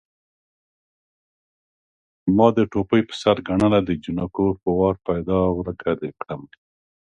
ما دې ټوپۍ په سر ګڼله د جنکو په وار پيدا ورکه دې کړمه